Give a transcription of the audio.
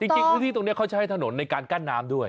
จริงพื้นที่ตรงนี้เขาใช้ถนนในการกั้นน้ำด้วย